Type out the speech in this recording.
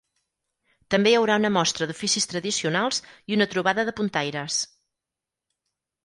També hi haurà una mostra d’oficis tradicionals i una trobada de puntaires.